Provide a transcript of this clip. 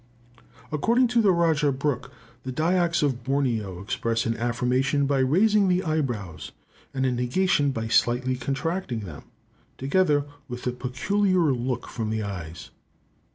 According to the Rajah Brooke, the Dyaks of Borneo express an affirmation by raising the eyebrows, and a negation by slightly contracting them, together with a peculiar look from the eyes.